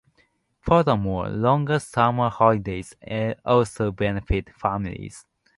Furthermore, longer summer holidays also benefit families.